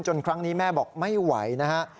ครั้งนี้แม่บอกไม่ไหวนะฮะ